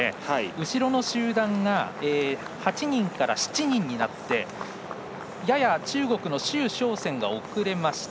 後ろの集団が８人から７人になってやや中国の周召倩が遅れました。